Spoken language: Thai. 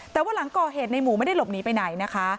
แต่ว่าหลังก่อเหตุในหมูไม่ได้หลบหนีไปไหนนะคะ